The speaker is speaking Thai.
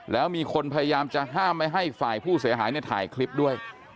แล้วมีคนพยายามจะห้ามไม่ให้ฝ่ายผู้เสียหายเนี่ยถ่ายคลิปด้วย